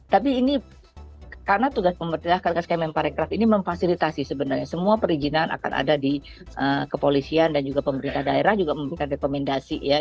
tapi ini karena tugas pemerintah skm parekraf ini memfasilitasi sebenarnya semua perizinan akan ada di kepolisian dan juga pemerintah daerah juga memberikan rekomendasi ya